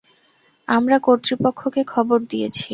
আমরা কর্তৃপক্ষকে খবর দিয়েছি।